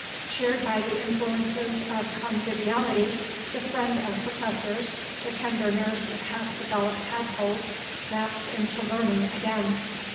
Cheered by the influences of conviviality, the friend of Professors, the tender nurse of half developed tadpoles, lapsed into learning again.